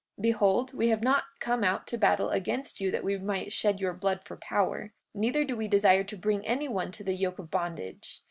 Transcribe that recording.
44:2 Behold, we have not come out to battle against you that we might shed your blood for power; neither do we desire to bring any one to the yoke of bondage.